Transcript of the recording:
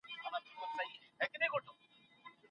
زموږ هيواد افغانستان دئ.